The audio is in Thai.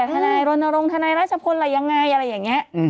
ทนายรณรงค์ทนายราชพนธ์อะไรยังไง